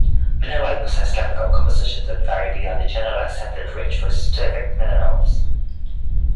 Mineraloids possess chemical compositions that vary beyond the generally accepted ranges for specific minerals.